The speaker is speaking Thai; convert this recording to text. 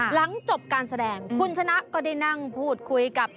หลังจบการแสดงคุณชนะก็ได้นั่งพูดคุยกับ